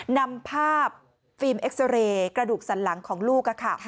นำภาพฟิล์มเอ็กซาเรย์กระดูกสันหลังของลูกค่ะ